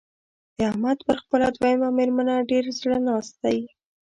د احمد پر خپله دويمه مېرمنه ډېر زړه ناست دی.